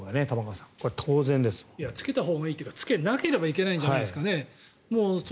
つけたほうがいいというかつけなければいけないんじゃないですかね。